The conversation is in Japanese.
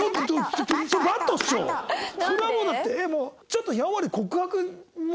ちょっとやんわり告白も。